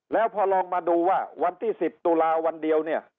แล้วพอลองมาดูว่าวันที่๑๐ตุลาวันเดียวเนี่ย